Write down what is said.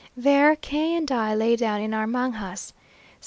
There K and I lay down in our mangas.